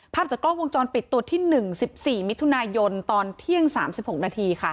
จากกล้องวงจรปิดตัวที่๑๑๔มิถุนายนตอนเที่ยง๓๖นาทีค่ะ